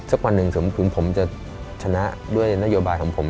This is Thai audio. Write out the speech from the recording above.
วันหนึ่งถึงผมจะชนะด้วยนโยบายของผม